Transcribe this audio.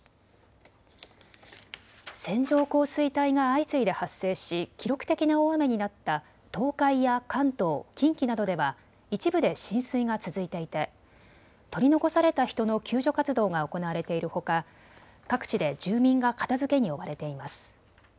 線状降水帯が相次いで発生し記録的な大雨になった東海や関東、近畿などでは一部で浸水が続いていて取り残された人の救助活動が行われているほか各地で住民が片づけに追われています。